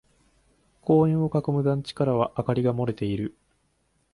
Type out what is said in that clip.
公園を囲む団地からは明かりが漏れている。